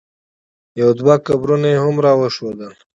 یو دوه قبرونه یې هم را وښودل.